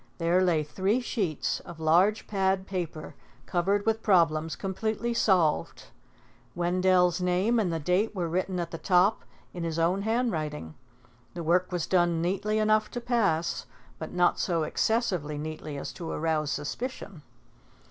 There lay three sheets of large pad paper, covered with problems completely solved. Wendell's name and the date were written at the top in his own handwriting. The work was done neatly enough to pass, but not so excessively neatly as to arouse suspicion.